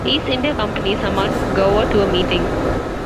East India Company summoned Gower to a meeting.